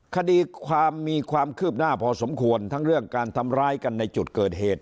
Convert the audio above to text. คดีความมีความคืบหน้าพอสมควรทั้งเรื่องการทำร้ายกันในจุดเกิดเหตุ